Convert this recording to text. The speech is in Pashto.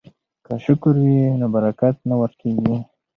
که شکر وي نو برکت نه ورکیږي.